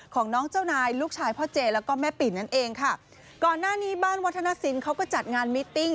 ของน้องเจ้านายลูกชายพ่อเจแล้วก็แม่ปิ่นนั่นเองค่ะก่อนหน้านี้บ้านวัฒนศิลปเขาก็จัดงานมิตติ้ง